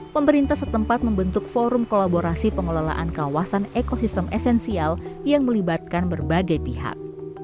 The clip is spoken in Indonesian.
pemerintah setempat membentuk forum kolaborasi pengelolaan kawasan ekosistem esensial yang melibatkan berbagai pihak